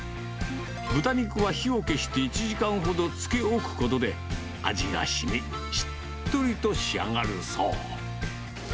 豚肉は火を消して１時間ほど漬け置くことで、味がしみ、しっとりと仕上がるそう。